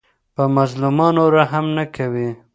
په مظلومانو رحم نه کوي.